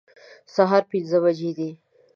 سهار پنځه بجې دي